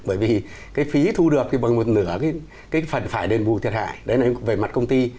bởi vì phí thu được bằng một nửa phần phải đền bù thiệt hại đấy là về mặt công ty